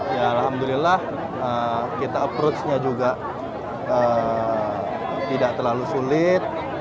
ya alhamdulillah kita approach nya juga tidak terlalu sulit